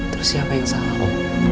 terus siapa yang salah